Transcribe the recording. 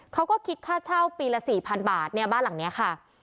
เขาก็คิดค่าเช่าปีละ๔๐๐๐บาทเนี่ยบ้านหลังนี้ค่ะ